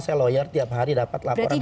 saya lawyer tiap hari dapat laporan